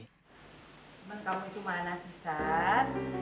kamu itu mana sih sat